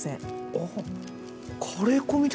おっカレー粉みたいな。